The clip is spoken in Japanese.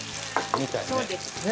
みたいね。